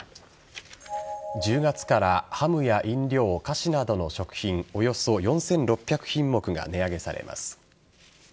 １０月からハムや飲料、菓子などの食品およそ４６００品目が値上げされます。